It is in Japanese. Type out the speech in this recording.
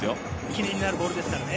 記念になるボールですからね。